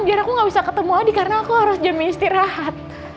biar aku nggak bisa ketemu adi karena aku harus jamin istirahat